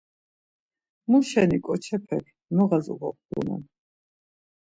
Muşeni ǩoçepek noğas oǩobğunan?